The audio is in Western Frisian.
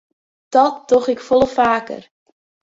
Dat doch ik folle faker.